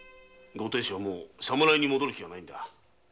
ご亭主はもう侍に戻る気はないんだ。